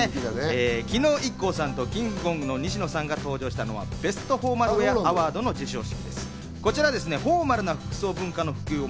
昨日、ＩＫＫＯさんとキングコングの西野さんが登場したのはベストフォーマルウェアアワードの授賞式です。